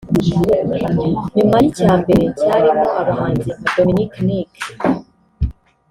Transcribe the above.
nyuma y’icya mbere cyarimo abahanzi nka Dominic Nic